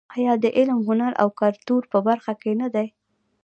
آیا د علم، هنر او کلتور په برخه کې نه دی؟